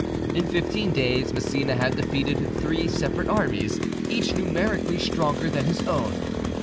In fifteen days Massena had defeated three separate armies, each numerically stronger than his own.